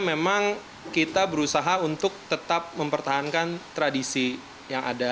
memang kita berusaha untuk tetap mempertahankan tradisi yang ada